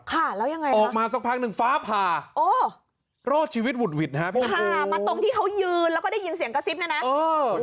มาตรงที่เขายืนแล้วก็ได้ยินเสียงกระซิบนั่นนะ